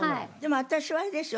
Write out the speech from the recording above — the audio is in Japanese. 私はあれですよ。